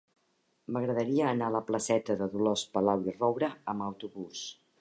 M'agradaria anar a la placeta de Dolors Palau i Roura amb autobús.